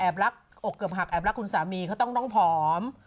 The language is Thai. รักอกเกือบหักแอบรักคุณสามีเขาต้องผอม